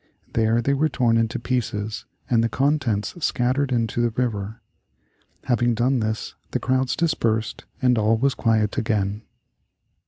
There they were torn into pieces and the contents scattered into the river. Having done this the crowds dispersed and all was quiet again.